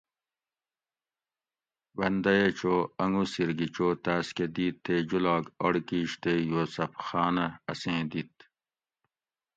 بندئیہ چو انگوسیر گھی چو تاس کہ دیت تے جولاگ اڑ کیش تے یوسف خانہ اسیں دِیت